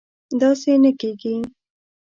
داسې نه کېږي